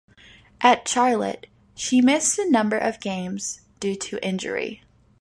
At Charlotte, she missed a number of games due to injury.